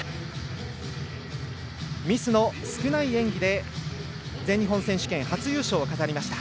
ミスの少ない演技で全日本選手権初優勝を飾りました。